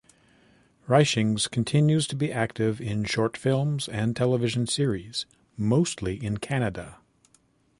Richings continues to be active in short films and television series, mostly in Canada.